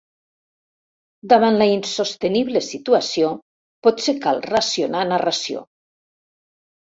Davant la insostenible situació, potser cal racionar narració.